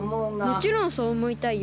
もちろんそうおもいたいよ。